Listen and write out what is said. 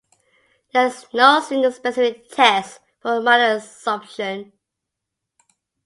There is no single, specific test for malabsorption.